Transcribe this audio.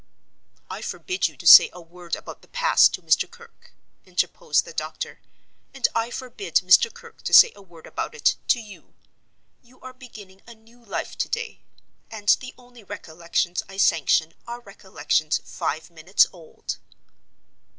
"I forbid you to say a word about the past to Mr. Kirke," interposed the doctor; "and I forbid Mr. Kirke to say a word about it to you. You are beginning a new life to day, and the only recollections I sanction are recollections five minutes old."